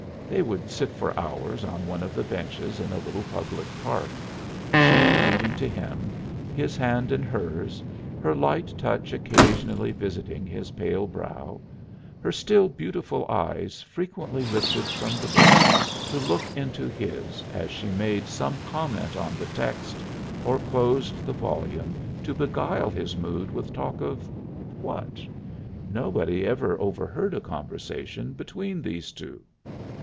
They would sit for hours on one of the benches in a little public park, she reading to him, his hand in hers, her light touch occasionally visiting his pale brow, her still beautiful eyes frequently lifted from the book to look into his as she made some comment on the text, or closed the volume to beguile his mood with talk of what? Nobody ever overheard a conversation between these two.